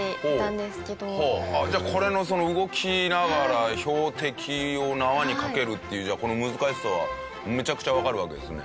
じゃあこれのその動きながら標的を縄に掛けるっていうこの難しさはめちゃくちゃわかるわけですね。